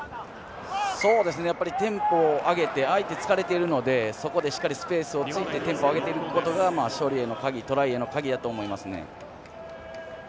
テンポを上げて相手が疲れているのでしっかりスペースを作ってテンポを上げていくことが勝利への鍵トライへの鍵だと思いますね。